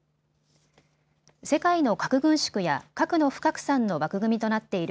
世界の核軍縮や核の不拡散の枠組みとなっている